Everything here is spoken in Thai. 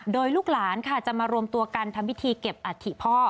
โดยลูกหลานค่ะจะมารวมตัวกันทำพิธีเก็บอัฐิพ่อ